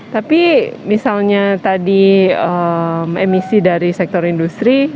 tapi misalnya tadi emisi dari sektor industri